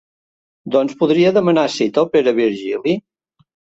Doncs podria demanar cita al Pere Virgili?